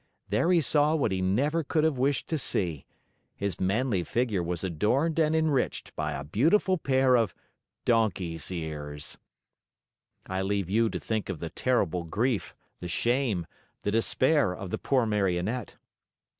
There he saw what he never could have wished to see. His manly figure was adorned and enriched by a beautiful pair of donkey's ears. I leave you to think of the terrible grief, the shame, the despair of the poor Marionette.